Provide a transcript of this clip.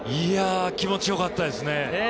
気持ちよかったですね。